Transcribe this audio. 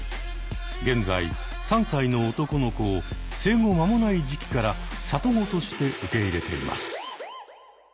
現在３歳の男の子を生後間もない時期から里子として受け入れています。